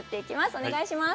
お願いします。